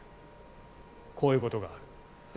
こういうことがある。